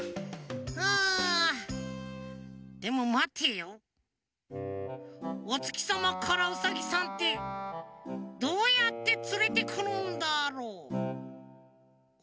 でもまてよおつきさまからウサギさんってどうやってつれてくるんだろう？